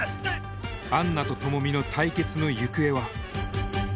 アンナと朋美の対決の行方は？